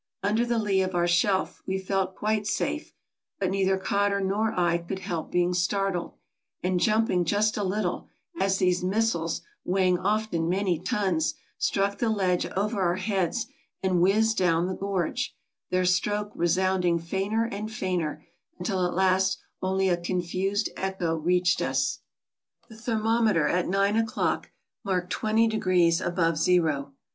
Under the lee of our shelf we felt quite safe, but neither Cotter nor I could help being startled, and jump ing just a little, as these missiles, weighing often many tons, struck the ledge over our heads and whizzed down the gorge, their stroke resounding fainter and fainter, until at last only a confused echo reached us. The thermometer at nine o'clock marked twenty degrees above zero.